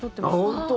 本当？